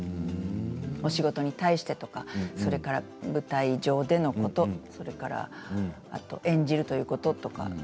お仕事に対してとかそれから舞台上でのことそれからあと演じるということとか。